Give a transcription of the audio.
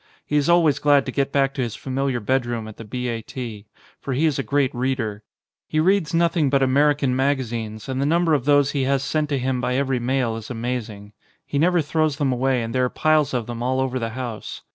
He is always glad to get back to his familiar bedroom at the B. A. T. For he is a great reader. He reads nothing but American magazines and the number of those he has sent to him by every mail is amazing. He never throws them away and there are piles of them all over the house.